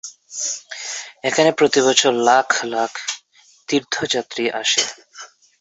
এখানে প্রতিবছর লাখ লাখ তীর্থযাত্রী আসে।